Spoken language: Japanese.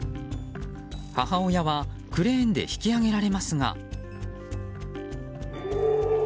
母親は、クレーンで引き上げられますが。